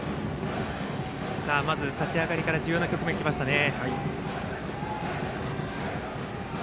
まず立ち上がりから重要な局面きましたね。